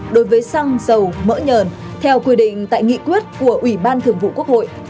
đối với xăng dầu mỡ nhờn theo quy định tại nghị quyết của ủy ban thường vụ quốc hội